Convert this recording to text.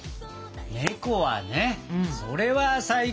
ネコはねそれは最高。